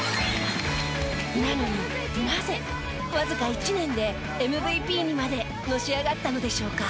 なのになぜわずか１年でＭＶＰにまでのし上がったのでしょうか？